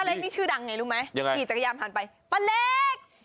เล็กนี่ชื่อดังไงรู้ไหมยังไงขี่จักรยานผ่านไปป้าเล็ก